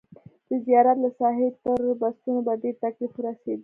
د زیارت له ساحې تر بسونو په ډېر تکلیف ورسېدو.